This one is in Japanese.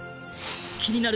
気になる